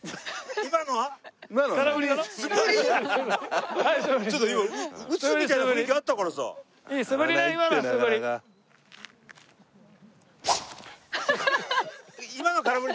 今の素振り。